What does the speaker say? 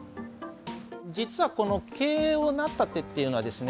実はこの桂を成った手っていうのはですね